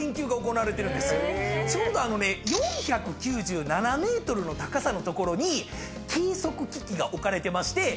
ちょうど４９７ｍの高さの所に計測機器が置かれてまして。